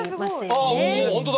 あ本当だ。